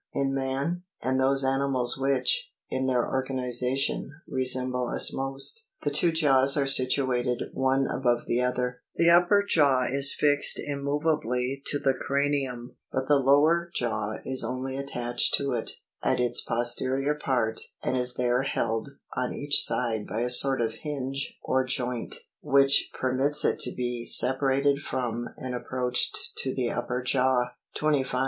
In man, and those animals which, in their organization, resemble us most, the two jaws are situated one above the other ; the upper jaw is fixed immovably to the cranium; but the lower jaw is only attached to it, at its posterior part, and is there held on each side by a sort of hinge or joint, which permits it to be separated from and approached to the upper jaw. Fig. 14. 25.